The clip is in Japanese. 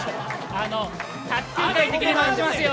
卓球界、敵に回しますよ。